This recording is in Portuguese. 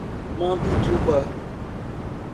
Mampituba